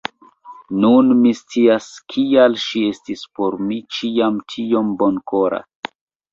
Nun mi scias, kial ŝi estis por mi ĉiam tiom bonkora.